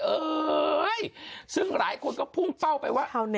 เอ้ยซึ่งหลายคนก็พุ่งเป้าไปว่า